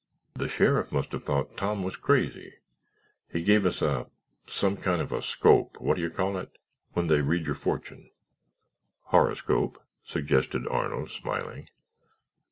The sheriff must have thought Tom was crazy. He gave us a—some kind of a scope—what d'you call it—when they read your fortune?" "Horoscope?" suggested Arnold, smiling.